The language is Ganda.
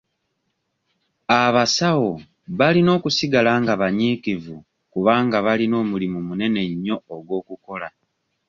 Abasawo balina okusigala nga banyiikivu kubanga balina omulimu munene nnyo ogw'okukola.